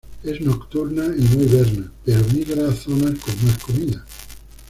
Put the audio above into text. Es nocturna y no hiberna, pero migra a zonas con más comida.